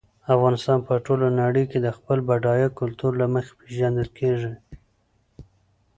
افغانستان په ټوله نړۍ کې د خپل بډایه کلتور له مخې پېژندل کېږي.